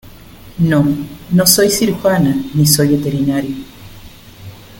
no, no soy cirujana ni soy veterinario.